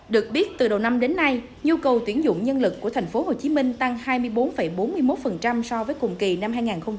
được biết từ đầu năm đến nay nhu cầu tuyển dụng nhân lực của tp hcm tăng hai mươi bốn bốn mươi một so với cùng kỳ năm hai nghìn một mươi chín